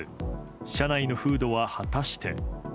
社内の風土は果たして。